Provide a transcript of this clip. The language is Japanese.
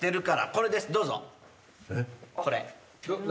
これ。